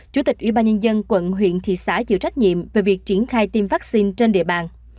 chủ tịch ủy ban nhân dân quận huyện thị xã chịu trách nhiệm về việc triển khai tiêm vaccine trên địa bàn